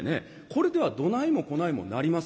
これではどないもこないもなりません。